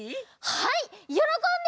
はいよろこんで！